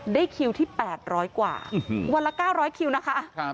คิวที่๘๐๐กว่าวันละ๙๐๐คิวนะคะ